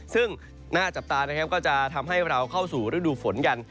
ซึ่งหน้าจับตาจะทำให้เราเข้าสู่ฤดูฝนกัน